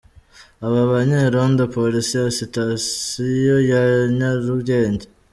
Aba banyerondo Polisi ya Sitasiyo ya Nyarugenge.